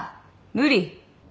無理！？